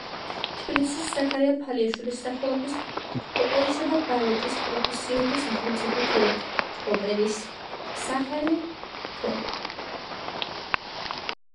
თბილისის ზაქარია ფალიაშვილის სახელობის ოპერისა და ბალეტის პროფესიული სახელმწიფო თეატრი — ოპერის სახლი ქ.